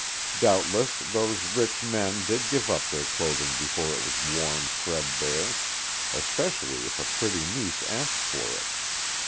Doubtless, those rich men did give up their clothing before it was worn threadbare, especially if a pretty niece asked for it.